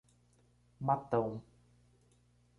Matão